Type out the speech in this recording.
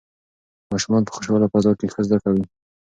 ماشومان په خوشحاله فضا کې ښه زده کوي.